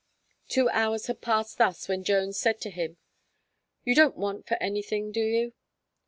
Two hours had passed thus when Jones said to him: "You don't want for anything, do you?"